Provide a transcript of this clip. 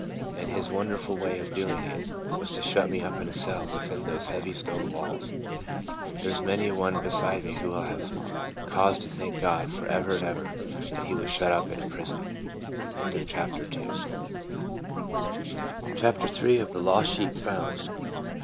And his wonderful way of doing it was to shut me up in a cell within those heavy stone walls. There 's many a one beside me who will have cause to thank God for ever and ever that he was shut up in a prison. THE LOST SHEEP FOUND. CHAPTER III. THE LOST SHEEP FOUND.